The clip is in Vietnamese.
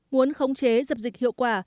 muốn khống chế dập dịch hiệu quả